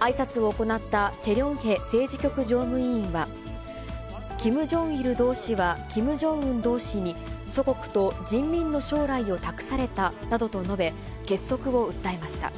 あいさつを行ったチェ・リョンヘ政治局常務委員は、キム・ジョンイル同志は、キム・ジョンウン同志に祖国と人民の将来を託されたなどと述べ、結束を訴えました。